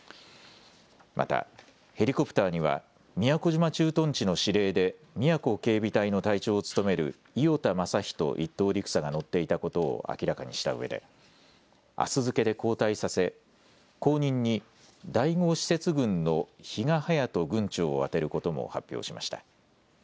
またヘリコプターには宮古島駐屯地の司令で宮古警備隊の隊長を務める伊與田雅一１等陸佐が乗っていたことを明らかにしたうえであす付けで交代させ後任に第５施設群の比嘉隼人群長を充てることも発表しました。